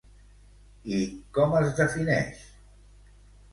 I com es defineix?